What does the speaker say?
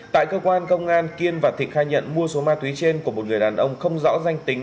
tại cơ quan công an kiên và thịnh khai nhận mua số ma túy trên của một người đàn ông không rõ danh tính